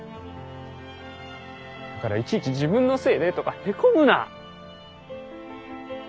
だからいちいち「自分のせいで」とかへこむな！